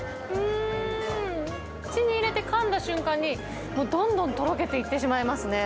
口に入れてかんだ瞬間に、どんどんとろけていってしまいますね。